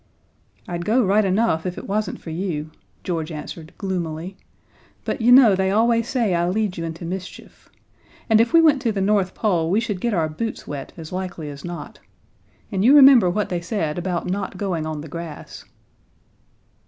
"I'd go right enough if it wasn't for you," George answered gloomily, "but you know they always say I lead you into mischief and if we went to the North Pole we should get our boots wet, as likely as not, and you remember what they said about not going on the grass."